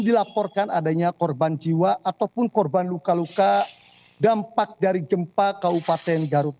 dilaporkan adanya korban jiwa ataupun korban luka luka dampak dari gempa kabupaten garut